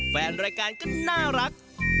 แฟนรายการก็น่ารัก